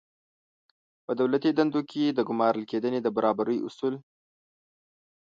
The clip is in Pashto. په دولتي دندو کې د ګمارل کېدنې د برابرۍ اصل